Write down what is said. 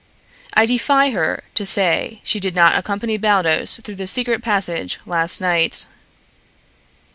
I defy her to say she did not accompany Baldos through the secret passage last night."